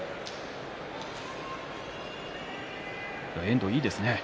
遠藤、いいですね。